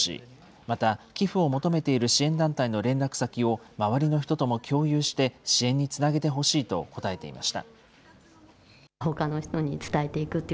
また、寄付を求めている支援団体の連絡先を周りの人とも共有して支援につなげてほしいと答えていました。